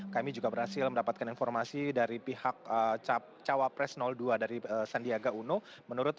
kami juga berhasil mendapatkan informasi dari pihak cawapres dua dari sandiaga uno